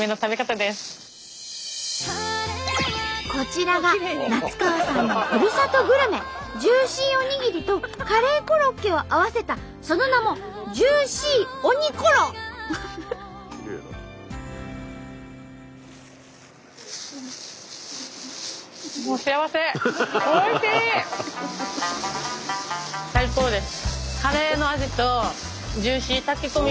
こちらが夏川さんのふるさとグルメジューシーおにぎりとカレーコロッケを合わせたその名も最高です！